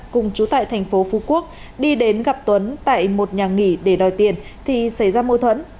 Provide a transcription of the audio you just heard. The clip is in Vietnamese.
cùng trú tại tp phú quốc đi đến gặp tuấn tại một nhà nghỉ để đòi tiền thì xảy ra mâu thuẫn